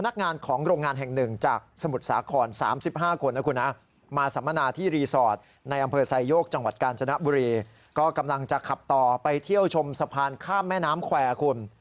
การข้ามแม่น้ำแขวนคุณ